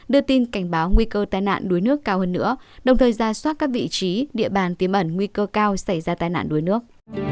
đưa tin cảnh báo nguy cơ tai nạn đuối nước cao hơn nữa đồng thời ra soát các vị trí địa bàn tiêm ẩn nguy cơ cao xảy ra tai nạn đuối nước